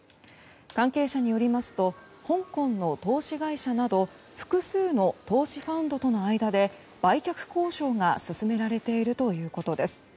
関係者によりますと香港の投資会社など複数の投資ファンドとの間で売却交渉が進められているということです。